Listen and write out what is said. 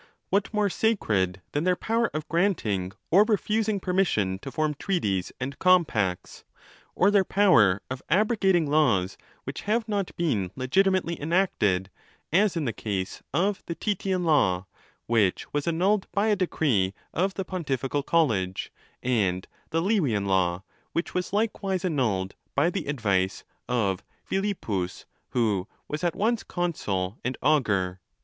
What more sacred than their power of granting or refusing permission to _ form treaties and compacts? or their power of abrogating laws which have not been legitimately enacted, as in the case of the Titian law, which was annulled by a decree of the pon tifical college; and the Livian Jaw, which was likewise an nulled by the advice of Philippus, who was at once consul and augur.